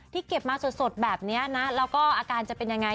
เก็บมาสดแบบนี้นะแล้วก็อาการจะเป็นยังไง